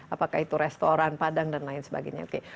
apakah itu restoran padang dan lain sebagainya